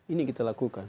ini kita lakukan